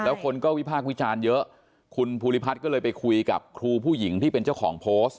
แล้วคนก็วิพากษ์วิจารณ์เยอะคุณภูริพัฒน์ก็เลยไปคุยกับครูผู้หญิงที่เป็นเจ้าของโพสต์